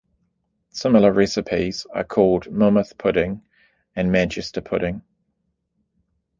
Similar recipes are called Monmouth Pudding and Manchester Pudding.